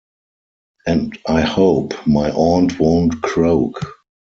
And I hope my aunt won't croak.